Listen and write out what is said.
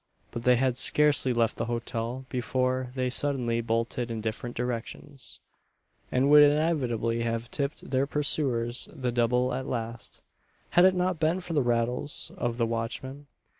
But they had scarcely left the hotel before they suddenly bolted in different directions, and would inevitably have tipped their pursuers the double at last, had it not been for the rattles of the watchmen.